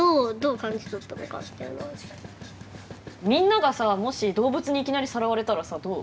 みんながさもし動物にいきなりさらわれたらさどう？